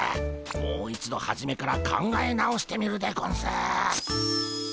もう一度はじめから考え直してみるでゴンス。